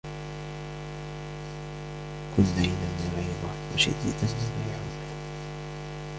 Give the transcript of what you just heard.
كن ليناً من غير ضعف وشديداً من غير عنف.